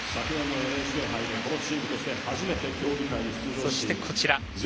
そして、こちら。